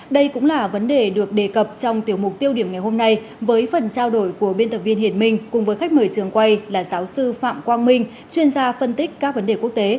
đây cũng là vấn đề được đề cập trong tiểu mục tiêu điểm ngày hôm nay với phần trao đổi của biên tập viên hiển minh cùng với khách mời trường quay là giáo sư phạm quang minh chuyên gia phân tích các vấn đề quốc tế